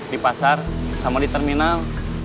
di pasar sama di terminal